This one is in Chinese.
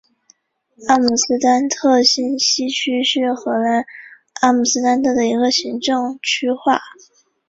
阿姆斯特丹新西区是荷兰阿姆斯特丹的一个行政区划。